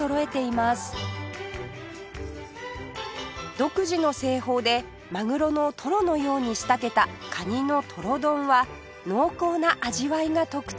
独自の製法でマグロのトロのように仕立てたかにのとろ丼は濃厚な味わいが特徴